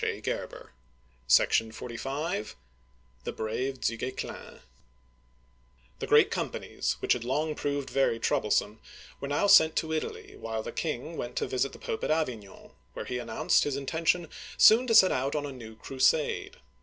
THE BRAVE DU GUESCLIN THE Great Companies, which had long proved very troublesome, were now sent to Italy, while the king went to visit the Pope at Avignon, where he announced his intention soon to set out on a new crusade.